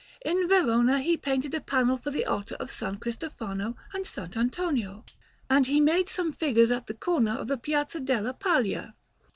In Verona he painted a panel for the altar of S. Cristofano and S. Antonio, and he made some figures at the corner of the Piazza della Paglía.